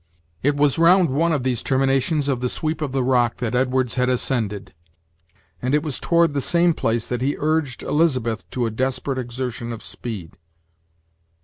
It was round one of these terminations of the sweep of the rock that Edwards had ascended, and it was toward the same place that he urged Elizabeth to a desperate exertion of speed.